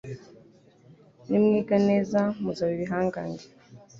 nimwiga neza muzaba ibihangange